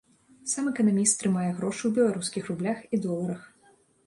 Сам эканаміст трымае грошы ў беларускіх рублях і доларах.